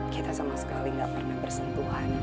kita sama sekali gak pernah bersentuhan